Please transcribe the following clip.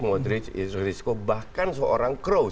madrid isco bahkan seorang kroos